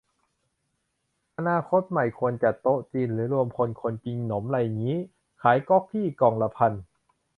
อนาคตใหม่ควรจัดโต๊ะจีน หรือรวมพลคนกินหนมไรงี้ ขายก็อกกึ้กล่องละพัน